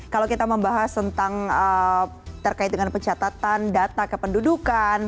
kalau kita membahas tentang terkait dengan pencatatan data kependudukan